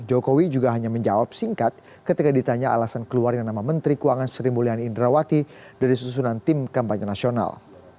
jokowi juga hanya menjawab singkat ketika ditanya alasan keluarnya nama menteri keuangan sri mulyani indrawati dari susunan tim kampanye nasional